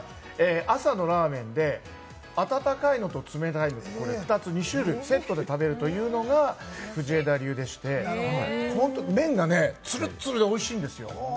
朝のラーメンで、温かいのと冷たいの、２種類セットで食べるというのが藤枝流でして、麺がね、ツルツルでおいしいんですよ。